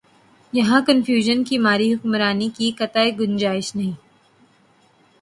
یہاں کنفیوژن کی ماری حکمرانی کی قطعا گنجائش نہیں۔